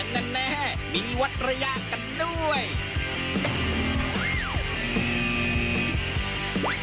แน่มีวัดระยะกันด้วย